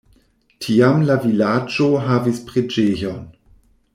Tiam la vilaĝo havis preĝejon.